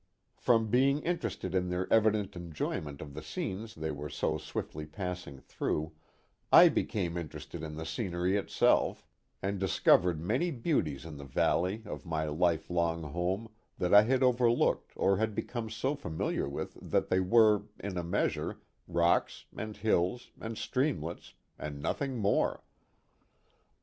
From being interested in their evident enjoyment of the scenes they were so swiftly passing through, I became in terested in the scenery itself, and discovered many beauties as 354 The Mohawk Valley ^^H in the valley of my lifelong home that I had overloolceoT W had become so familiar with that they were, in a measure, rocks, and hills, and streamlets, and nothing more.